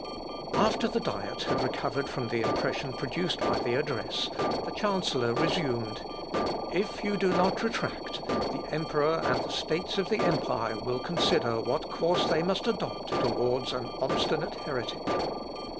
After the Diet had recovered from the impression produced by the address, the chancellor resumed: "If you do not retract, the emperor and the states of the empire will consider what course they must adopt towards an obstinate heretic."